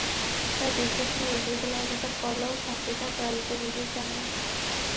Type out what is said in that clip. তাই দীর্ঘ সময় বিশ্ববিদ্যালয়ে অবস্থান করলেও ছাত্রীরা টয়লেটে যেতে চান না।